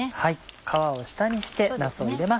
皮を下にしてなすを入れます。